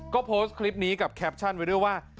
ก็โพสต์คลิปนี้กับแคปชั่นไว้ด้วยว่า